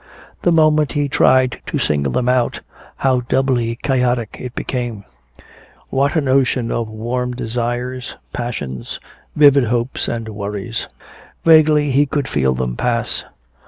The moment he tried to single them out, how doubly chaotic it became. What an ocean of warm desires, passions, vivid hopes and worries. Vaguely he could feel them pass.